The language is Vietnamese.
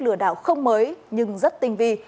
lừa đảo không mới nhưng rất tinh vi